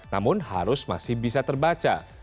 namun harus masih bisa terbaca